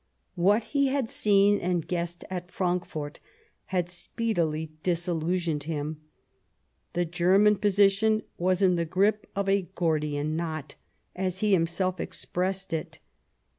What he had seen and guessed at Frankfort had speedily disillusioned him ; the German posi tion was in the grip of a " Gordian Knot," as he himself expressed it.